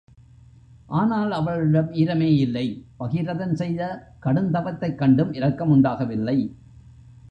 ஆனால் அவளிடம் ஈரமே இல்லை பகீரதன் செய்த கடுந்தவத்தைக் கண்டும் இரக்கம் உண்டாகவில்லை.